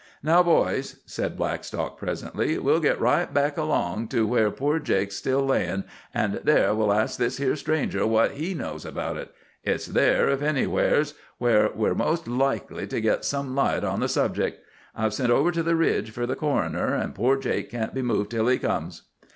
"Now, boys," said Blackstock presently, "we'll git right back along to where poor Jake's still layin', and there we'll ask this here stranger what he knows about it. It's there, if anywheres, where we're most likely to git some light on the subject. I've sent over to the Ridge fer the coroner, an' poor Jake can't be moved till he comes."